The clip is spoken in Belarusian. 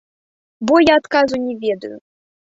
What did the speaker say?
Бо я адказу не ведаю.